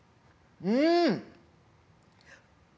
うん！